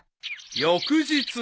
［翌日］